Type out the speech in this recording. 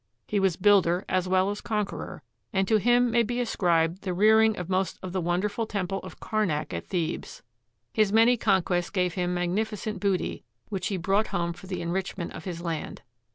He was builder as well as conqueror, and to him may be ascribed the rear ing of most of the wonderful Temple of Karnak at Thebes. His many conquests gave him magnificent booty, which he brought home for the enrichment of his land.